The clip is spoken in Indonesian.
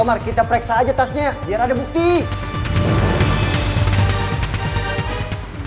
yang bisa menyelamatkan nyawanya bening